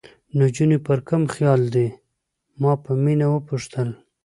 نجونې پر کوم خیال دي؟ ما په مینه وپوښتل.